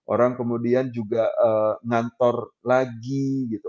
orang kemudian juga ngantor lagi gitu